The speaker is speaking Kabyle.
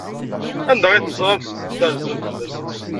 Anda ay terzam fell-asen?